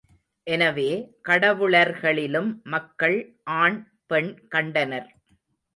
எனவே, கடவுளர்களிலும் மக்கள் ஆண் பெண் கண்டனர்.